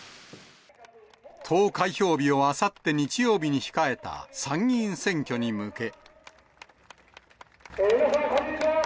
投開票日をあさって日曜日に控えた参議院選挙に向け。